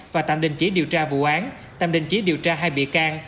và tạm đình chỉ điều tra vụ án tạm đình chỉ điều tra hai bị can